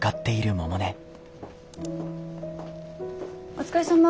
お疲れさま。